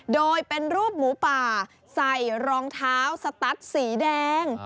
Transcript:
โดยเป็นรูปหมูป่าใส่รองเท้าสตัสสีแดง